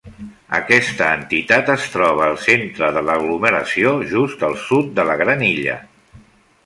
Aquesta entitat es troba al centre de l'aglomeració, just al sud de la Gran Illa.